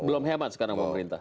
belum hemat sekarang pak pemerintah